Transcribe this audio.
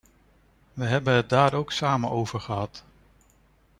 We hebben het daar ook samen over gehad.